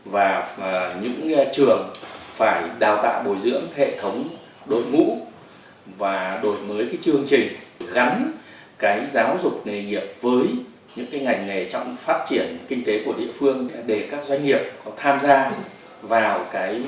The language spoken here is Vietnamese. và những trường phải đào tạo bồi dưỡng hệ thống đội ngũ và đổi mới cái chương trình gắn cái giáo dục nghề nghiệp với những ngành nghề trong phát triển kinh tế của địa phương để các doanh nghiệp có tham gia vào